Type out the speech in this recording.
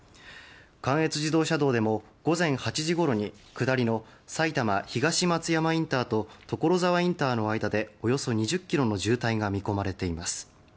関越自動車道でも午前８時ごろに下りの埼玉・東松山インターと所沢インターの間でおよそ２０ｋｍの渋滞が見込まれています。